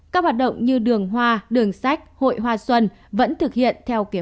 các hoạt động như đường hoa đường sách hội hoa xuân vẫn thực hiện theo kế hoạch